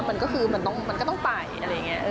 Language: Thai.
มันก็คือมันก็ต้องไปอะไรอย่างนี้